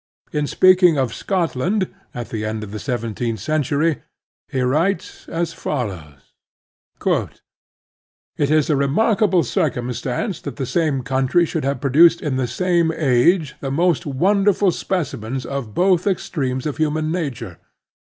In speaking of Scotland at the end of the seventeenth century he writes as follows : "It is a remarkable circtunstance that the same country should have produced in the same age the most wonderful specimens of both ex tremes of human nature.